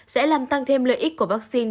sẽ làm tăng thêm lợi ích của vaccine